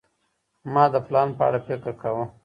ما د پلان په اړه فکر کاوه.